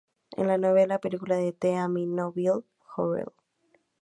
Es la novena película de The Amityville Horror.